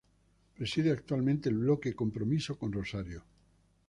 Preside actualmente el Bloque Compromiso con Rosario.